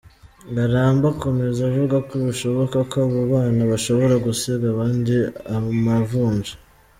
Ngarambe akomeza avuga ko bishoboka ko abo bana bashobora gusiga abandi amavunja.